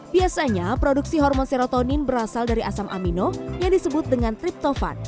biasanya produksi hormon serotonin berasal dari asam amino yang disebut dengan triptop